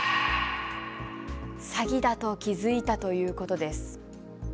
詐欺だと気付いたということです。